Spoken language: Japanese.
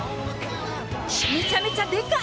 めちゃめちゃでかい！